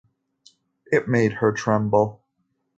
It made her tremble.